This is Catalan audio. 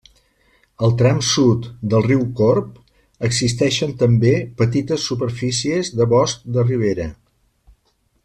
Al tram sud del riu Corb existeixen també petites superfícies de bosc de ribera.